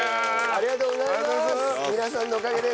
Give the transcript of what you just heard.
ありがとうございます。